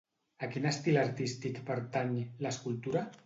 A quin estil artístic pertany, l'escultura?